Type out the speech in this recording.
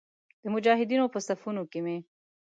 د مجاهدینو په صفونو کې مې.